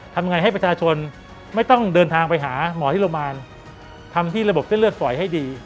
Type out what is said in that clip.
ทำยังไงให้ประชาชนไม่ต้องเดินทางไปหาหมอที่โรงพยาบาลทำที่ระบบเส้นเลือดฝอยให้ดี